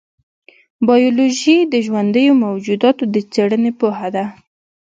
بایولوژي د ژوندیو موجوداتو د څېړنې پوهه ده.